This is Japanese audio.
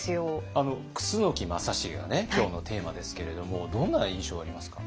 楠木正成がね今日のテーマですけれどもどんな印象ありますか？